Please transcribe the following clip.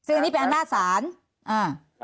อันนี้เป็นอันหน้าศาล